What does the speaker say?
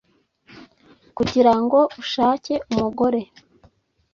kugira ngo ushake umugore